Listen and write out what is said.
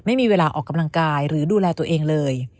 ไม่มีเวลาออกกำลังกายหรือดูแลตัวเองเลย